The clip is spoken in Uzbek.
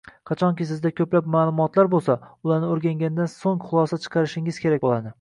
Qachonki sizda koʻplab maʼlumotlar boʻlsa, ularni oʻrgangandan soʻng xulosa chiqarishingiz kerak boʻladi.